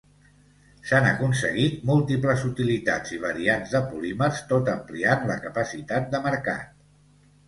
S'han aconseguit múltiples utilitats i variants de polímers tot ampliant la capacitat de mercat.